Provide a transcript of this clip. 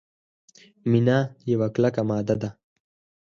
مینا یوه کلکه ماده ده.